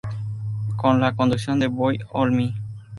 Con la conducción de Boy Olmi.